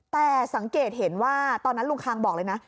แต่สังเกตเห็นว่าตอนนั้นลุงคางบอกเลยนะ